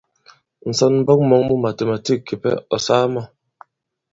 Ǹsɔnmbɔk mɔ̄ŋ mu màtèmàtîk kìpɛ, ɔ̀ saa mɔ̂ ?